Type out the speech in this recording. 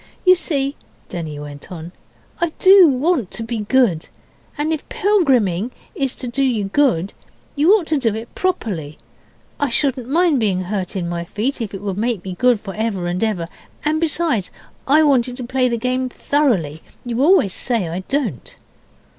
'You see' Denny went on 'I do want to be good. And if pilgriming is to do you good, you ought to do it properly. I shouldn't mind being hurt in my feet if it would make me good for ever and ever. And besides, I wanted to play the game thoroughly. You always say I don't.